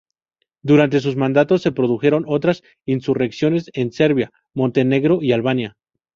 Durante su mandato se produjeron otras insurrecciones en Serbia, Montenegro y Albania.